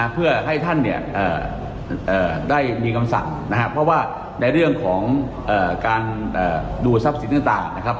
เพื่อให้ท่านเนี่ยได้มีคำสั่งนะครับเพราะว่าในเรื่องของการดูทรัพย์สินต่างนะครับ